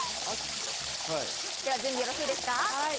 準備はよろしいですか？